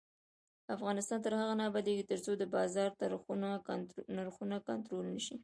افغانستان تر هغو نه ابادیږي، ترڅو د بازار نرخونه کنټرول نشي.